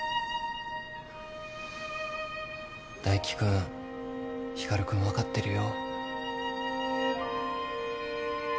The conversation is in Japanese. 大輝君光君分かってるよ。